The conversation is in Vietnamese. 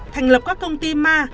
thành lập các công ty ma